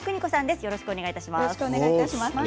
よろしくお願いします。